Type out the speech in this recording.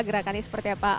gerakannya seperti apa